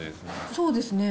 そうですね。